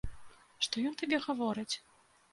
Што ён табе гаворыць?